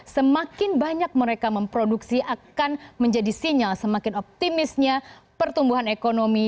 semakin banyak mereka memproduksi akan menjadi sinyal semakin optimisnya pertumbuhan ekonomi